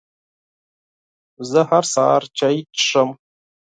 زه هر سهار چای څښم.